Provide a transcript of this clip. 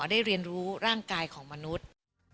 ได้เรียนรู้ร่างกายของมนุษย์